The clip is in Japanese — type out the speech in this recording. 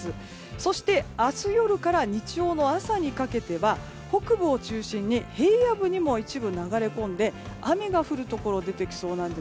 そして、明日夜から日曜の朝にかけては北部を中心に平野部にも一部流れ込んで雨が降るところ出てきそうです。